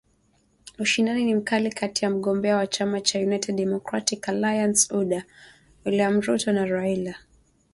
Ushindani ni mkali kati ya mgombea wa chama cha United Democratic Alliance (UDA) William Ruto na Raila Amollo Odinga wa chama cha Azimio la Umoja